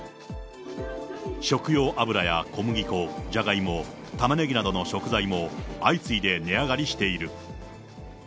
食用油や小麦粉、ジャガイモ、タマネギなどの食材も相次いで値上がりしている。